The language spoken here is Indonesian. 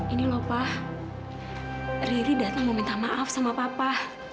ini lho pak riri datang mau minta maaf sama papa